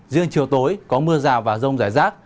riêng chiều tối có mưa rào và rông rải rác